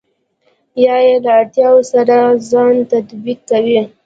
يا يې له اړتياوو سره ځان تطابق کوئ.